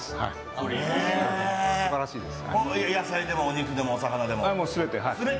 野菜でもお肉でもお魚でも？